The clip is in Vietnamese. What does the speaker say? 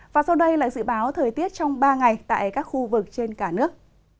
và sau đây là dự báo thời tiết trong ba ngày tại các khu vực trên cả nước